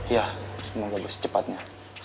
ya semoga bersecepatnya